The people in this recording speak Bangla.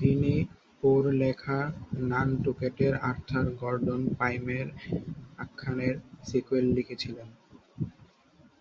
তিনি পোর লেখা নানটুকেটের আর্থার গর্ডন পাইমের আখ্যানের সিক্যুয়েল লিখেছিলেন।